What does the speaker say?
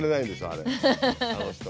あれあの人。